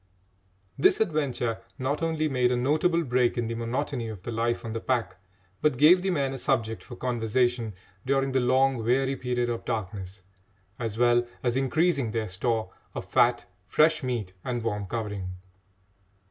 This adventure not only made a notable break in the monotony of the life on the pack, but gave the men a subject for conversation during the long weary period of darkness, as well as increasing their store of fat, fresh meat, and warm covering.